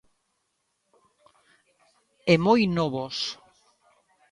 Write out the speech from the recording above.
E moi novos.